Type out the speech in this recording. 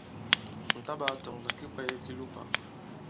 Ǹ ta-ɓāa-tɔ̄ŋ tɔ̀ là ki kwāye ki lo ifã.